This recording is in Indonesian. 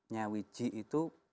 nyawiji itu bersatu mbak